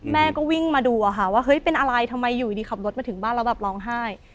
แม่ก็วิ่งมาดูอะค่ะว่าเฮ้ยเป็นอะไรทำไมอยู่ดีขับรถมาถึงบ้านแล้วแบบร้องไห้